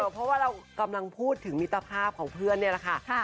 เพราะว่าเรากำลังพูดถึงมิตรภาพของเพื่อนนี่แหละค่ะ